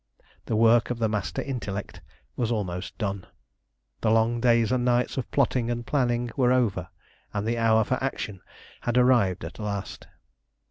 The work of the master intellect was almost done. The long days and nights of plotting and planning were over, and the hour for action had arrived at last.